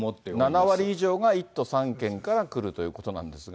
７割以上が１都３県から来るということなんですが。